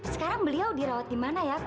sekarang beliau dirawat di mana ya